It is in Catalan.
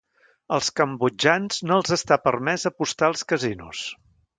Als cambodjans no els està permès apostar als casinos.